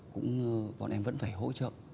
cũng bọn em vẫn phải hỗ trợ